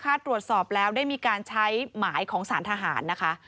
ถ้าตรวจสอบแล้วได้มีการใช้หมายของสารทหารนะคะ